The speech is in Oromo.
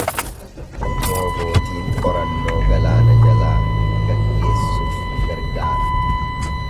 Roobootiin qorannoo galaana jalaa gaggeessuuf ni gargaara.